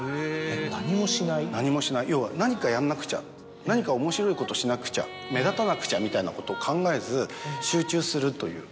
要は何かやんなくちゃ何か面白いことしなくちゃ目立たなくちゃみたいなことを考えず集中するという。